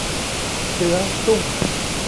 เสือซุ่ม